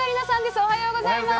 おはようございます。